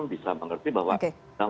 bisa mengerti bahwa